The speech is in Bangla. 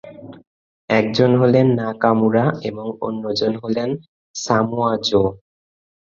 একজন হলেন নাকামুরা এবং অন্যজন হলেন সামোয়া জো।